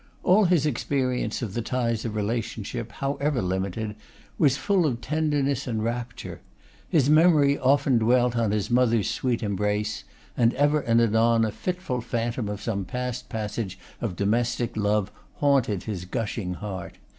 All his experience of the ties of relationship, however limited, was full of tenderness and rapture. His memory often dwelt on his mother's sweet embrace; and ever and anon a fitful phantom of some past passage of domestic love haunted his gushing heart.